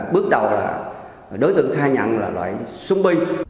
bước đầu là đối tượng khai nhận là loại súng bi